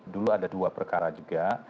dulu ada dua perkara juga